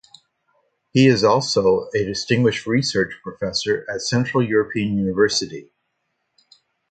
He is also a Distinguished Research Professor at Central European University.